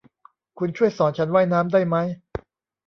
คุณช่วยสอนฉันว่ายน้ำได้มั้ย